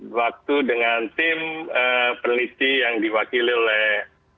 waktu dengan tim peneliti yang diwakili oleh